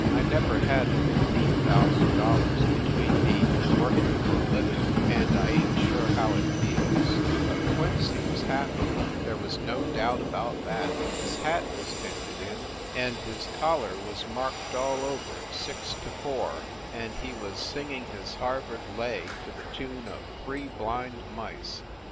I never had $i 5,000 between me and working for a living, and I ain t sure how it feels but Quincy was happy, there was no doubt about that. His hat was dented in and his collar was 246 FIND THE WOMAN marked all over "6 to 4," and he was singing his Harvard lay to the tune of "Three Blind Mice."